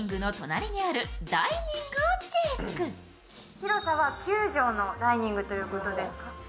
広さは９畳のダイニングということです。